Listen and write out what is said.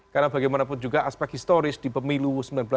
karena bagaimanapun juga aspek historis di pemilu